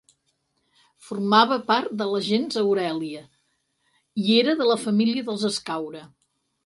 Formava part de la gens Aurèlia, i era de la família dels Escaure.